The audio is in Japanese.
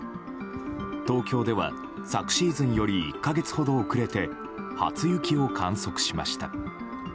東京では昨シーズンより１か月ほど遅れて初雪を観測しました。